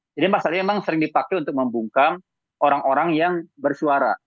jadi pasalnya memang sering dipakai untuk membungkam orang orang yang bersuara